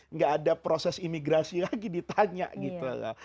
nggak ada proses imigrasi lagi ditanya gitu loh